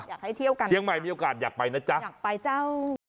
อยากให้เที่ยวกันค่ะอยากไปจ้าว